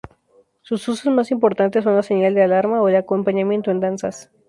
Sus usos más importantes son la señal de alarma o el acompañamiento en danzas.